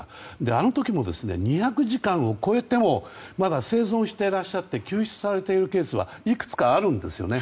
あの時も２００時間を超えてもまだ生存していらっしゃって救出されたケースがいくつかあるんですよね。